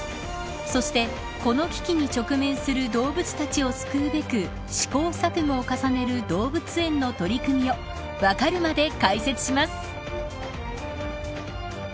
そして、この危機に直面する動物たちを救うべく試行錯誤を重ねる動物園の取り組みをわかるまで解説します。